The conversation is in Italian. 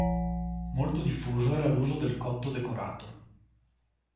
Molto diffuso era l'uso del cotto decorato.